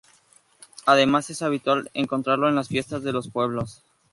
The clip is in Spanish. Además es habitual encontrarlo en las fiestas de los pueblos.